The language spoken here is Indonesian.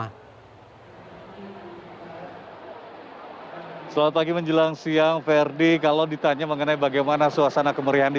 hai selamat pagi menjelang siang verdi kalau ditanya mengenai bagaimana suasana kemerihan di